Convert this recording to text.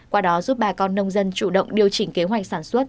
qua đó giúp bà con nông dân chủ động điều chỉnh kế hoạch sản xuất